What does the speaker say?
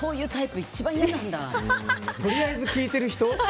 とりあえず聞いてる人？